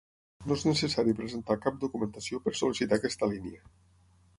No és necessari presentar cap documentació per sol·licitar aquesta línia.